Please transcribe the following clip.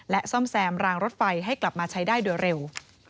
ซ่อมแซมรางรถไฟให้กลับมาใช้ได้โดยเร็ว